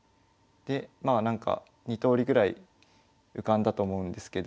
でまあなんか２とおりぐらい浮かんだと思うんですけど。